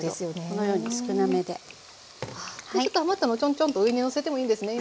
このように少なめで。でちょっと余ったのをちょんちょんと上にのせてもいいんですね